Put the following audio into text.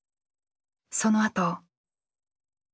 そのあと。